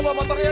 terima kasih ya